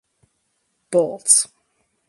Balts.